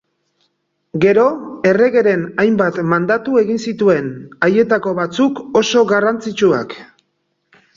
Gero, erregeren hainbat mandatu egin zituen, haietako batzuk oso garrantzitsuak.